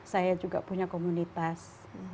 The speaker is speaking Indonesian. saya juga punya komunitas